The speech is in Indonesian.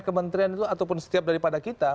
kementerian itu ataupun setiap daripada kita